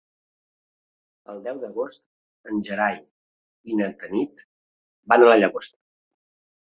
El deu d'agost en Gerai i na Tanit van a la Llagosta.